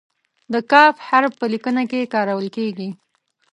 د "ک" حرف په لیکنه کې کارول کیږي.